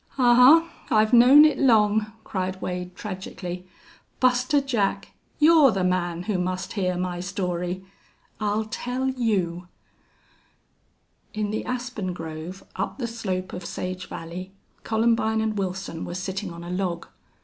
"Ahuh!... I've known it long!" cried Wade, tragically. "Buster Jack, you're the man who must hear my story.... I'll tell you...." In the aspen grove up the slope of Sage Valley Columbine and Wilson were sitting on a log.